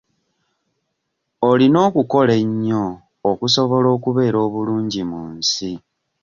Oyina okukola ennyo okusobola okubeera obulungi mu nsi.